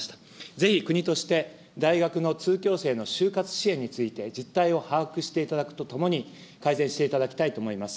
ぜひ国として、大学の通教生の就活支援について、実態を把握していただくとともに、改善していただきたいと思います。